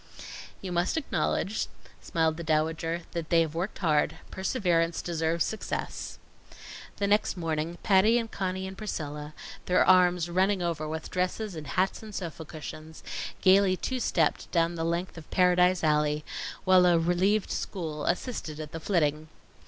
"You must acknowledge," smiled the Dowager, "that they have worked hard. Perseverance deserves success." The next morning, Patty and Conny and Priscilla, their arms running over with dresses and hats and sofa cushions, gaily two stepped down the length of "Paradise Alley" while a relieved school assisted at the flitting.